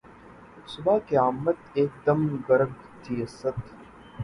صبح قیامت ایک دم گرگ تھی اسدؔ